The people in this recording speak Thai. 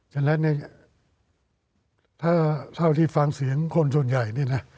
ฉะนั้นเนี่ยถ้าเท่าที่ฟังเสียงคนส่วนใหญ่นี่นะ